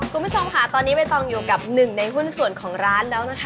คุณผู้ชมค่ะตอนนี้ใบตองอยู่กับหนึ่งในหุ้นส่วนของร้านแล้วนะคะ